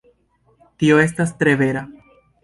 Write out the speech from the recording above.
Tio estas tre vera.